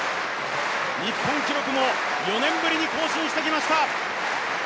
日本記録も４年ぶりに更新してきました。